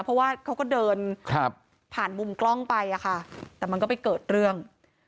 เพราะว่าเขาก็เดินผ่านมุมกล้องไปอะค่ะแต่มันก็ไปเกิดเรื่อง